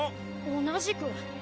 同じく。